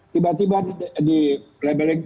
tiba tiba di labeling